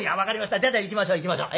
じゃあじゃあ行きましょう行きましょう。